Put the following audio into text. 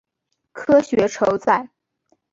科学酬载